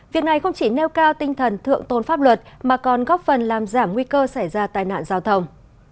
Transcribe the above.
việc này không chỉ nêu cao tinh thần thượng tôn pháp luật mà còn góp phần làm giảm nguy cơ xảy ra tai nạn giao thông